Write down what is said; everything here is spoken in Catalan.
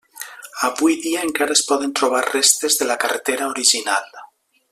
Avui dia encara es poden trobar restes de la carretera original.